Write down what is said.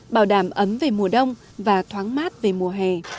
bảo đảm ấm về mùa đông và thoáng mát về mùa hè